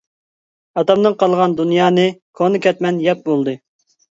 ئاتامدىن قالغان دۇنيانى، كونا كەتمەن يەپ بولدى.